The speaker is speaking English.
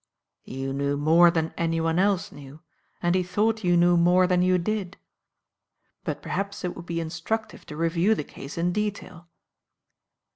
"You knew more than anyone else knew, and he thought you knew more than you did. But perhaps it would be instructive to review the case in detail."